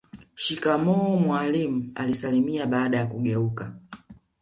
shikamoo mwalimu alisalimia baada ya kugeuka